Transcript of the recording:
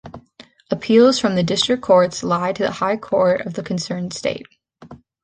Appeals from the district courts lie to the High Court of the concerned state.